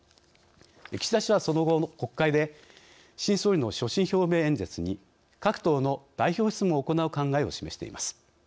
岸田氏はその後の国会で新総理の所信表明演説に各党の代表質問を行う考えを示しています。